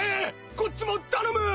こっちも頼むー！